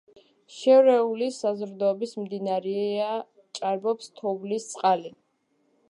შერეული საზრდოობის მდინარეა, ჭარბობს თოვლის წყალი.